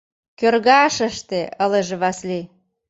— Кӧргашыште! — ылыже Васлий.